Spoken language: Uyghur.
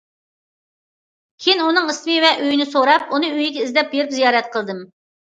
كېيىن ئۇنىڭ ئىسمى ۋە ئۆيىنى سوراپ، ئۇنى ئۆيىگە ئىزدەپ بېرىپ زىيارەت قىلدىم.